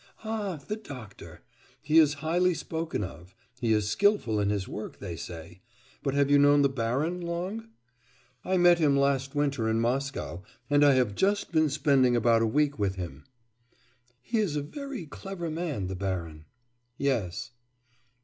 'Ah! the doctor. He is highly spoken of. He is skilful in his work, they say. But have you known the baron long?' 'I met him last winter in Moscow, and I have just been spending about a week with him.' 'He is a very clever man, the baron.' 'Yes.